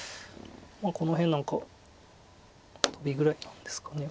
この辺なんかトビぐらいなんですかね。